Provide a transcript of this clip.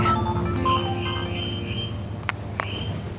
udah apa ya